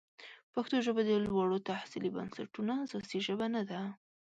پښتو ژبه د لوړو تحصیلي بنسټونو اساسي ژبه نه ده.